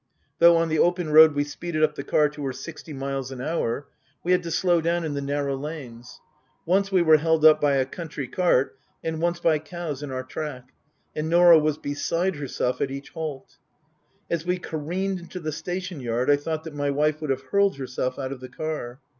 Though on the open road we speeded up the car to her sixty miles an hour, we had to slow down in the narrow lanes. Once we were held up by a country cart, and once by cows in our track, and Norah was beside herself at each halt. As we careened into the station yard I thought that my wife would have hurled herself out of the car.